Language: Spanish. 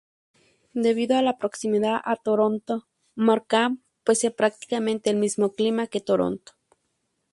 Debido a la proximidad a Toronto, Markham posee prácticamente el mismo clima que Toronto.